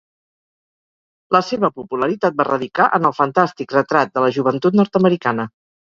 La seva popularitat va radicar en el fantàstic retrat de la joventut nord-americana.